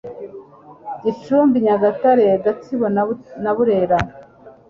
Gicumbi Nyagatare: Gatsibo na Burera